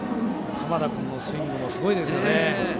濱田君のスイングもすごいですけどね。